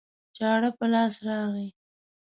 چاړه په لاس راغی